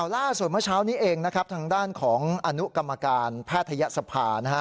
ล่าส่วนเมื่อเช้านี้เองทางด้านของอนุกรรมการแพทยสภา